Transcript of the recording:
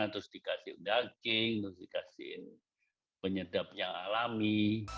terus dikasih daging terus dikasih penyedap yang alami